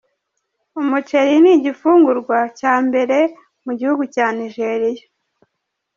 Umuceri ni igifungurwa cya mbere mu gihugu cya Nigeria.